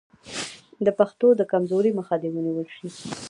د پښتو د کمزورۍ مخه دې ونیول شي.